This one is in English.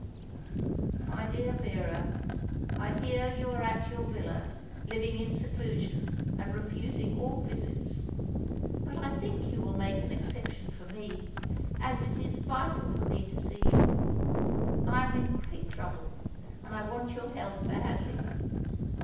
"MY DEAR VERA, "I hear you are at your villa, living in seclusion and refusing all visits; but I think you will make an exception for me, as it is vital for me to see you. I am in great trouble, and I want your help badly.